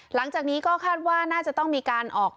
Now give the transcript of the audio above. หลังจากนี้ก็คาดว่าน่าจะต้องมีการออก